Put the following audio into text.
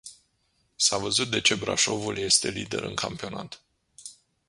S-a văzut de ce Brașovul este lider în campionat.